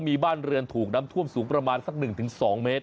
มีบ้านเรือนถูกน้ำท่วมสูงประมาณสักหนึ่งถึงสองเมตร